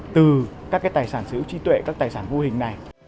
từ các tài sản sở hữu trí tuệ các tài sản vô hình này